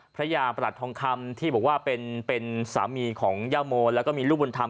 พระยาประหลัดทองคำที่บอกว่าเป็นสามีของย่าโมแล้วก็มีลูกบุญธรรม